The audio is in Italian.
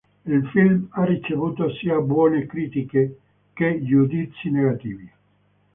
Il film ha ricevuto sia buone critiche che giudizi negativi.